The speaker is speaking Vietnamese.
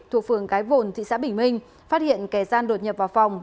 thuộc phường cái vồn thị xã bình minh phát hiện kẻ gian đột nhập vào phòng